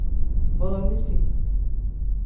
Booniisi.